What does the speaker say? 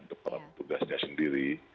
untuk tugasnya sendiri